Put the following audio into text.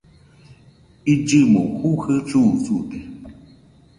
illɨmo jujɨ susude